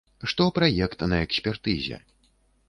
Што праект на экспертызе.